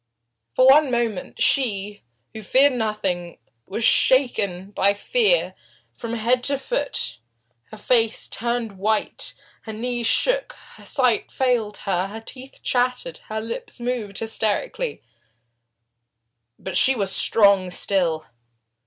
For one moment she, who feared nothing, was shaken by fear from head to foot, her face turned white, her knees shook, her sight failed her, her teeth chattered, her lips moved hysterically. But she was strong still.